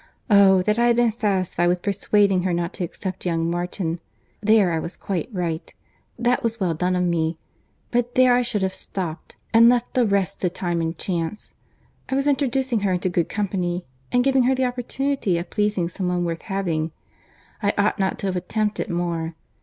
Oh! that I had been satisfied with persuading her not to accept young Martin. There I was quite right. That was well done of me; but there I should have stopped, and left the rest to time and chance. I was introducing her into good company, and giving her the opportunity of pleasing some one worth having; I ought not to have attempted more.